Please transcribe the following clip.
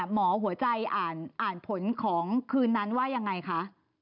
หมอหัวใจอ่านผลของคืนนั้นว่ายังไงคะ